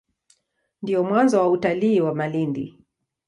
Ndio mwanzo wa utalii wa Malindi.